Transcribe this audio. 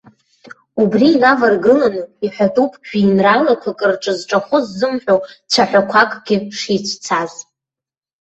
Убри инаваргыланы, иҳәатәуп жәеинраалақәак рҿы зҿахәы ззымҳәо цәаҳәақәакгьы шицәцаз.